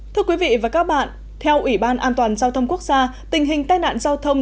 thưa quý vị và các bạn theo ủy ban an toàn giao thông quốc gia tình hình tai nạn giao thông